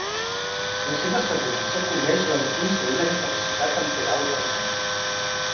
La seva assegurança cobreix la defunció i la incapacitat temporal o permanent.